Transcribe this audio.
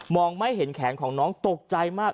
ไม่เห็นแขนของน้องตกใจมาก